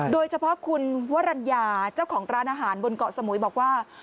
โดยเฉพาะคุณวรรณญาเจ้าของร้านอาหารบนเกาะสมุยบอกว่า